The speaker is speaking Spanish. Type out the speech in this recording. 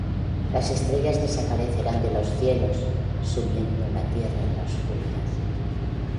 Las estrellas desaparecerán de los cielos, sumiendo la tierra en la oscuridad.